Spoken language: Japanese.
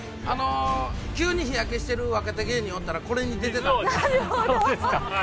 急に日焼けしている若手芸人おったら、これに出ていたと。